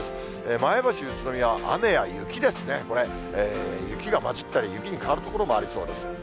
前橋、宇都宮、雨や雪ですね、これ、雪が交じったり、雪に変わる所もありそうです。